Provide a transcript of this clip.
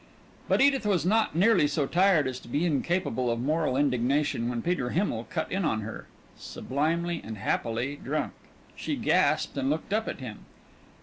But Edith was not nearly so tired as to be incapable of moral indignation when Peter Himmel cut in on her, sublimely and happily drunk. She gasped and looked up at him.